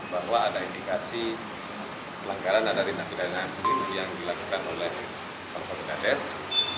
bahwa ada indikasi pelanggaran danarinah pidana yang dilakukan oleh pangsa pedagang desa